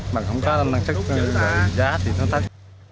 mà không có là năng sức giá thì nó thấp